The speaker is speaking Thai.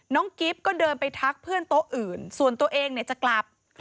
กิ๊บก็เดินไปทักเพื่อนโต๊ะอื่นส่วนตัวเองเนี่ยจะกลับ